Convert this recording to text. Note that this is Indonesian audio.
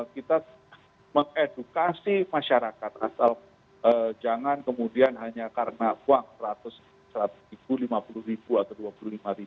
kita mengedukasi masyarakat asal jangan kemudian hanya karena uang seratus ribu lima puluh ribu atau rp dua puluh lima